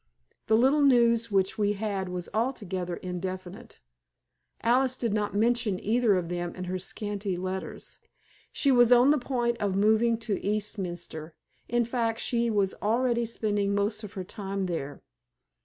The little news which we had was altogether indefinite. Alice did not mention either of them in her scanty letters. She was on the point of moving to Eastminster in fact, she was already spending most of her time there.